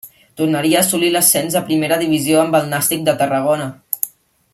Tornaria a assolir l'ascens a primera divisió amb el Nàstic de Tarragona.